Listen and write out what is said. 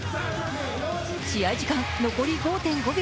試合時間、残り５．５秒。